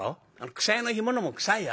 くさやの干物も臭いよ。